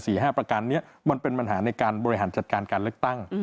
ห้าประการนี้มันเป็นปัญหาในการบริหารจัดการการเลือกตั้ง